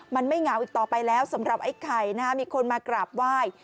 มันไม่เหงาอีกต่อไปแล้วสำหรับไอ้ไข่นะฮะมีคนมากราบไหว้